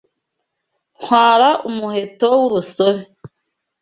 Ntwara umuheto w'urusobe